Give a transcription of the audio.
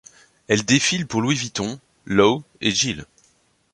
Elle défile pour Louis Vuitton, Loewe et Giles.